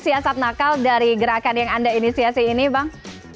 siasat nakal dari gerakan yang anda inisiasi ini bang